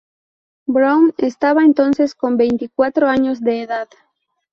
Brown contaba entonces con veinticuatro años de edad.